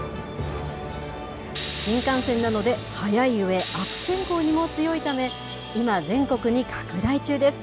新幹線なので、速いうえ、悪天候にも強いため、今、全国に拡大中です。